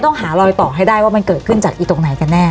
ต้องหารอยต่อให้ได้ว่ามันเกิดขึ้นจากอีตรงไหนกันแน่